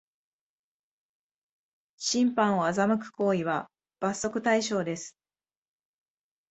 審判を欺く行為は罰則対象です